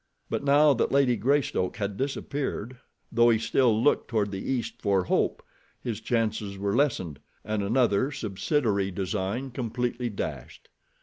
But now that Lady Greystoke had disappeared, though he still looked toward the east for hope, his chances were lessened, and another, subsidiary design completely dashed.